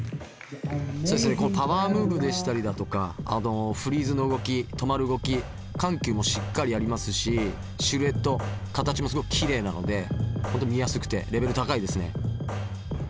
そうですねパワームーブでしたりだとかフリーズの動き止まる動き緩急もしっかりありますしシルエット形もすごいきれいなので本当見やすくてレベル高いですね。